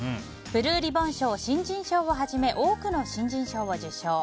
ブルーリボン賞新人賞をはじめ多くの新人賞を受賞。